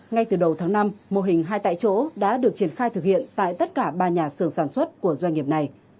ngay từ đầu tháng năm mô hình hai tại chỗ đã được triển khai thực hiện tại tất cả ba nhà xưởng sản xuất của doanh nghiệp này